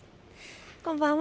こんばんは。